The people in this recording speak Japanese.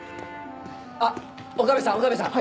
あっ岡部さん岡部さん！